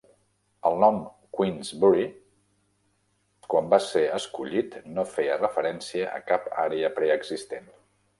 El nom Queensbury, quan va ser escollit, no feia referencia a cap àrea preexistent.